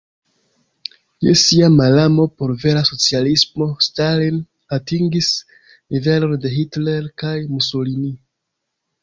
Je sia malamo por vera socialismo Stalin atingis nivelon de Hitler kaj Mussolini.